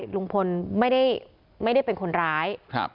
ลุงพลไม่ได้เป็นคนร้าย